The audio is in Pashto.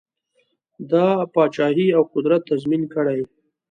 دا پاچهي او قدرت تضمین کړي.